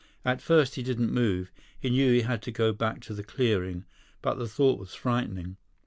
At first, he didn't move. He knew he had to go back to the clearing, but the thought was frightening.